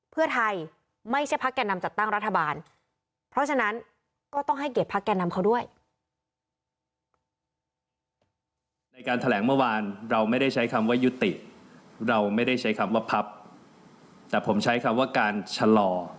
เพื่อไทยไม่ใช่ภักดิ์แก่นำจัดตั้งรัฐบาล